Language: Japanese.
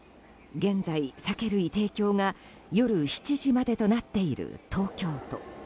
現在、酒類提供が夜７時までとなっている東京都。